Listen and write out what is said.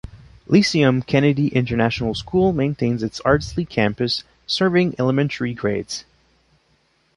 Lyceum Kennedy International School maintains its Ardsley campus, serving elementary grades.